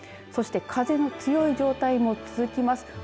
そして風の強い状態も続きます。